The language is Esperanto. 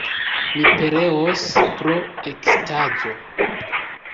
Mi pereos pro ekstazo!